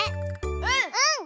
うん！